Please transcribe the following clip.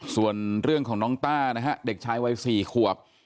ส่วนเรื่องของน้องต้านะฮะเด็กชายวัย๔ขวบ